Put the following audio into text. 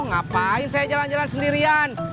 ngapain saya jalan jalan sendirian